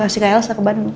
kasih ke elsa ke bandung